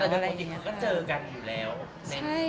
แต่ก็จริงเขาก็เจอกันอยู่แล้ว